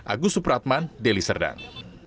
agus supratman deli serdang